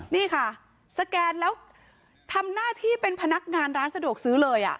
นี่ค่ะสแกนแล้วทำหน้าที่เป็นพนักงานร้านสะดวกซื้อเลย